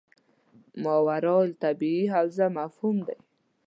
ماورا الطبیعي حوزه مفهوم دی.